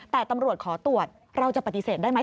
แต่ตำรวจขอตรวจเราจะปฏิเสธได้ไหม